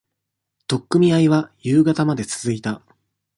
取っ組み合いは、夕方まで続いた。